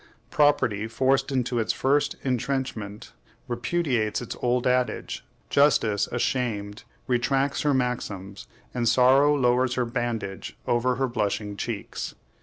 Property, forced into its first intrenchment, repudiates its old adage; justice, ashamed, retracts her maxims, and sorrow lowers her bandage over her blushing cheeks.